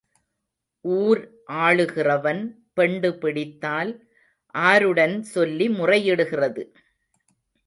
ஊர் ஆளுகிறவன் பெண்டு பிடித்தால் ஆருடன் சொல்லி முறையிடுகிறது?